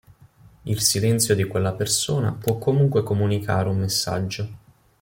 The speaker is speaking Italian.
Il silenzio di quella persona può comunque comunicare un messaggio.